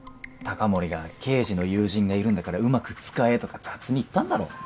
高森が刑事の友人がいるんだからうまく使えとか雑に言ったんだろ？